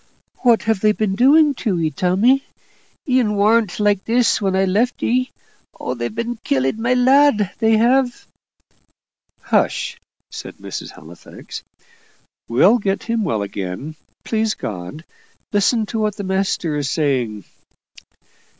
"What have they been doing to 'ee, Tommy? 'ee warn't like this when I left 'ee. Oh, they've been killing my lad, they have!" "Hush!" said Mrs. Halifax; "we'll get him well again, please God. Listen to what the master's saying."